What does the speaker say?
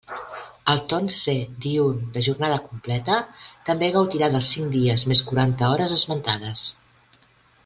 El torn C diürn de jornada completa, també gaudirà dels cinc dies més quaranta hores esmentades.